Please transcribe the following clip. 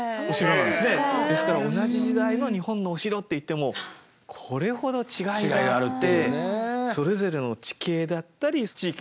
ですから同じ時代の日本のお城っていってもこれほど違いがあって。